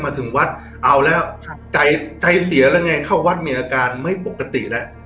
มาถึงวัดเอาแล้วใจเสียแล้วไงเข้าวัดมีอาการไม่ปกติแล้ว